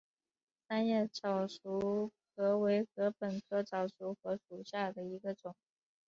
三叶早熟禾为禾本科早熟禾属下的一个种。